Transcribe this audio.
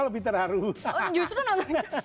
lebih terharu oh justru nonton